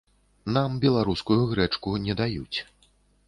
Нам беларускую грэчку не даюць.